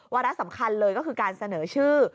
ระสำคัญเลยก็คือการเสนอชื่อ